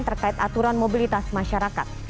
terkait aturan mobilitas masyarakat